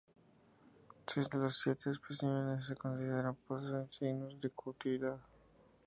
Seis de los siete especímenes se considera poseen signos de cautividad.